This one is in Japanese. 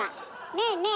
ねえねえ